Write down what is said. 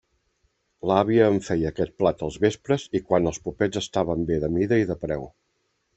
L'àvia em feia aquest plat als vespres i quan els popets estaven bé de mida i de preu.